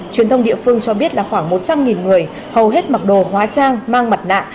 truyền thông địa phương cho biết là khoảng một trăm linh người hầu hết mặc đồ hóa trang mang mặt nạ